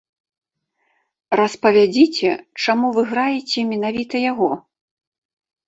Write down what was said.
Распавядзіце, чаму вы граеце менавіта яго?